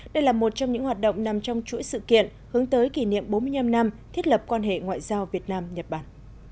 đây là một trong những hoạt động nằm trong chuỗi sự kiện hướng tới kỷ niệm bốn mươi năm năm thiết lập quan hệ ngoại giao việt nam nhật bản